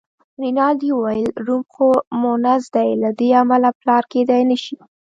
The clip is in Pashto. رینالډي وویل: روم خو مونث دی، له دې امله پلار کېدای نه شي.